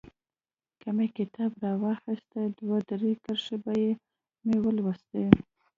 که مې کتاب رااخيست دوه درې کرښې به مې ولوستلې.